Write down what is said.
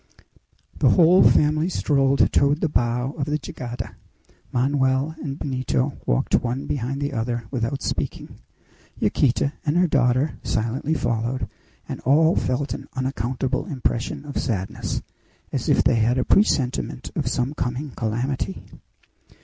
The whole family strolled toward the bow of the jangada. Manoel and Benito walked one behind the other without speaking. Yaquita and her daughter silently followed, and all felt an unaccountable impression of sadness, as if they had a presentiment of some coming calamity.